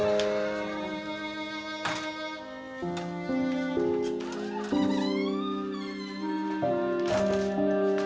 aku mau pergi